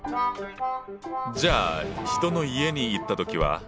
じゃあ人の家に行った時は？